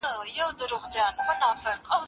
پدغه موضوع کي فقهاء مختلف نظرونه لري.